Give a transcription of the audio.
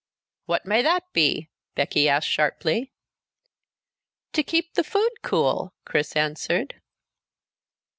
"What may that be?" Becky asked sharply. "To keep the food cool," Chris answered.